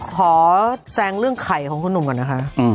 แซงเรื่องไข่ของคุณหนุ่มก่อนนะคะ